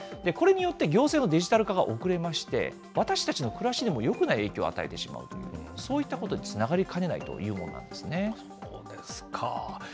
これによって、行政のデジタル化が遅れまして、私たちの暮らしにも、よくない影響を与えてしまうという、そういったことにつながそうですか。